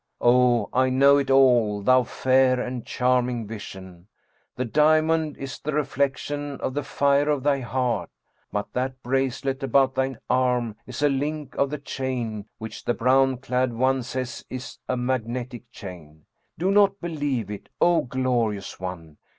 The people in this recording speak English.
Oh, I know it all, thou fair and charming vision. The diamond is the reflection of the fire of thy heart. But that bracelet about thine arm is a link of the chain which the brown clad one says is a magnetic chain. Do not believe it, O glori ous one!